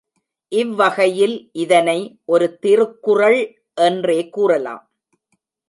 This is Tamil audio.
இவ்வகையில் இதனை ஒரு திருக்குறள் என்றே கூறலாம்.